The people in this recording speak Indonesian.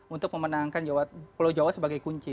untuk memenangkan pulau jawa sebagai kunci